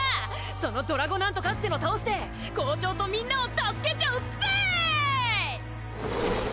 そのドラゴなんとかっての倒して校長とみんなを助けちゃうぜイ！